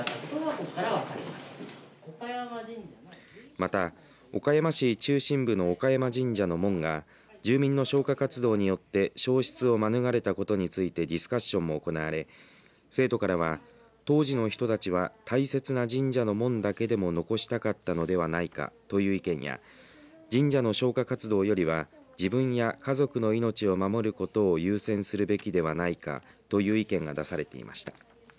また、岡山市中心部の岡山神社の門が住民の消火活動によって焼失を免れたことについてディスカッションも行われ生徒からは当時の人たちは大切な神社の門だけでも残したかったのではないかという意見や神社の消火活動よりは自分や家族の命を守ることを優先するべきではないかという意見が出されていました。